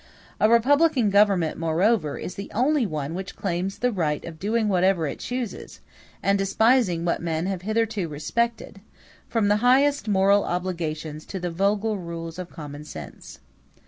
A republican government, moreover, is the only one which claims the right of doing whatever it chooses, and despising what men have hitherto respected, from the highest moral obligations to the vulgar rules of common sense.